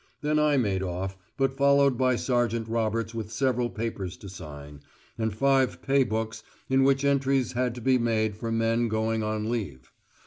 Then I made off, but followed by Sergeant Roberts with several papers to sign, and five pay books in which entries had to be made for men going on leave.